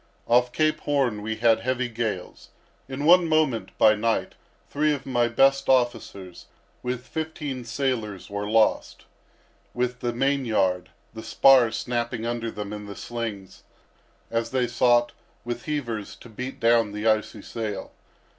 Off Cape Horn we had heavy gales. In one moment, by night, three of my best officers, with fifteen sailors, were lost, with the main yard; the spar snapping under them in the slings, as they sought, with heavers, to beat down the icy sail.